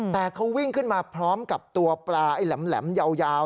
แต่เขาวิ่งขึ้นมาพร้อมกับตัวปลาไอ้แหลมยาว